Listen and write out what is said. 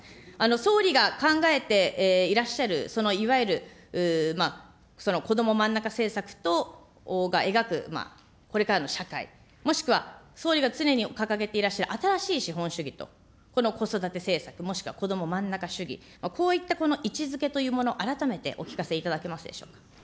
総理が考えていらっしゃるそのいわゆるこどもまんなか政策が描くこれからの社会、もしくは総理が常に掲げていらっしゃる新しい資本主義とこの子育て政策、もしくはこどもまんなか主義、こういった位置づけというもの、改めてお聞かせいただけますでしょうか。